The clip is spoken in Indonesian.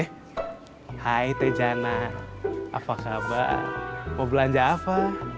hai teh jana apa kabar mau belanja apa